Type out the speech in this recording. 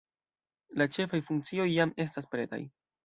La ĉefaj funkcioj jam estas pretaj.